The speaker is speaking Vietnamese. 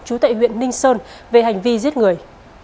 trú tại huyện ninh sơn về hành vi giết người